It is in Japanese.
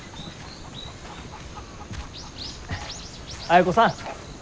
綾子さん！